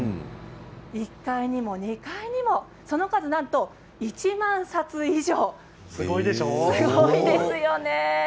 １階にも２階にもその数なんと１万冊以上です。